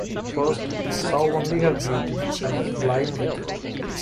First he saw only her beauty, and was blind with it.